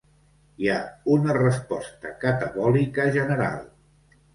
Hi ha una resposta catabòlica general.